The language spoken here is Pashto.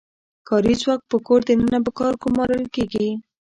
کاري ځواک په کور دننه په کار ګومارل کیږي.